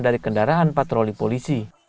dari kendaraan patroli polisi